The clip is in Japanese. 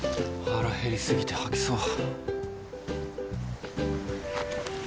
腹減りすぎて吐きそう。